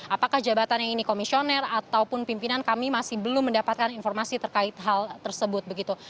apakah jabatan yang ini komisioner ataupun pimpinan kami masih belum mendapatkan informasi terkait hal tersebut begitu